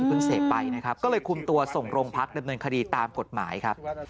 เสพไปนะครับก็เลยคุมตัวส่งโรงพักดำเนินคดีตามกฎหมายครับ